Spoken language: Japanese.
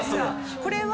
これは。